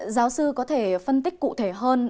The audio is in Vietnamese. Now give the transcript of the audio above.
giáo sư có thể phân tích cụ thể hơn